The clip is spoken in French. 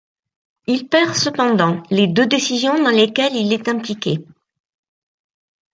Il perd cependant les deux décisions dans lesquelles il est impliqué.